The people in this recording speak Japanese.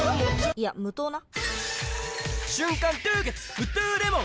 いや無糖な！